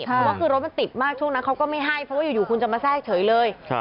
เพราะว่าคือรถมันติดมากช่วงนั้นเขาก็ไม่ให้เพราะว่าอยู่คุณจะมาแทรกเฉยเลย